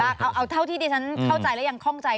ถาเป็นอะไรบ้างเซลล์ดีฉันเข้าใจและแยกค่องใจ